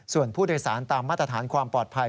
ส่วนผู้โดยสารตามมาตรฐานความปลอดภัย